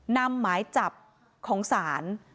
นำหมายจับของศาล